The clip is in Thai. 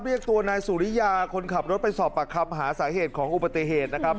เรียกตัวนายสุริยาคนขับรถไปสอบปากคำหาสาเหตุของอุบัติเหตุนะครับ